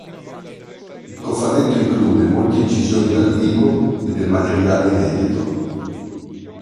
Il cofanetto include molte incisioni dal vivo e del materiale inedito.